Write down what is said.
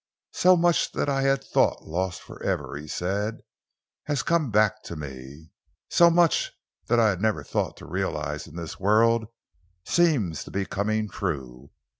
"So much that I had thought lost for ever," he said, "has come back to me. So much that I had never thought to realise in this world seems to be coming true.